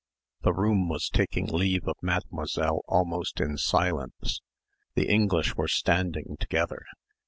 The room was taking leave of Mademoiselle almost in silence. The English were standing together.